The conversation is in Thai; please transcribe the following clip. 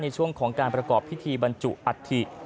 ในช่วงของการประกอบพิธีบรรจุอัฐิ